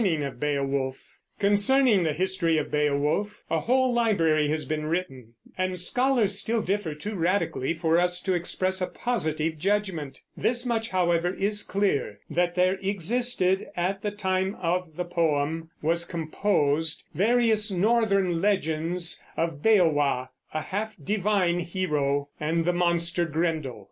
Concerning the history of Beowulf a whole library has been written, and scholars still differ too radically for us to express a positive judgment. This much, however, is clear, that there existed, at the time the poem was composed, various northern legends of Beowa, a half divine hero, and the monster Grendel.